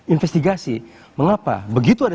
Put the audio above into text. investigasi mengapa begitu ada